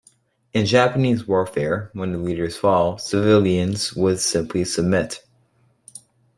In Japanese warfare, when the leaders fall, civilians would simply submit.